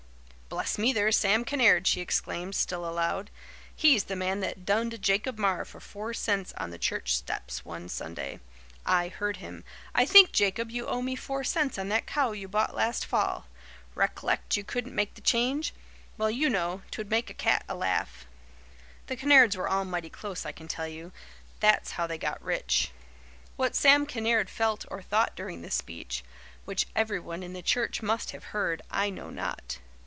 "Bless me, there's Sam Kinnaird," she exclaimed, still aloud. "He's the man that dunned Jacob Marr for four cents on the church steps one Sunday. I heard him. 'I think, Jacob, you owe me four cents on that cow you bought last fall. Rec'llect you couldn't make the change?' Well, you know, 'twould a made a cat laugh. The Kinnairds were all mighty close, I can tell you. That's how they got rich." What Sam Kinnaird felt or thought during this speech, which everyone in the church must have heard, I know not.